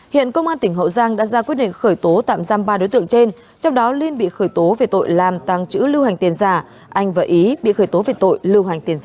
hiện công an tỉnh hậu giang đã ra quyết định khởi tố tạm giam ba đối tượng trên trong đó linh bị khởi tố về tội làm tàng trữ lưu hành tiền giả anh và ý bị khởi tố về tội lưu hành tiền giả